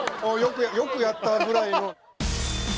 よくやったぐらいの。